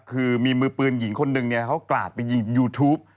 คือมีมือปืนหญิงคนหนึ่งเขากราดไปยิงยูทูป